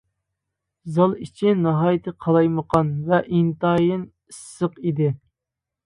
زال ئىچى ناھايىتى قالايمىقان ۋە ئىنتايىن ئىسسىق ئىدى.